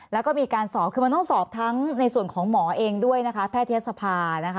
แล้วก็มีการสอบคือมันต้องสอบทั้งในส่วนของหมอเองด้วยนะคะแพทยศภานะคะ